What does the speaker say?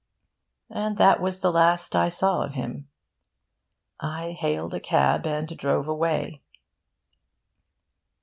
And that was the last I saw of him. I hailed a cab and drove away.